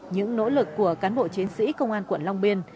những nỗ lực của cán bộ chiến sĩ công an quận long biên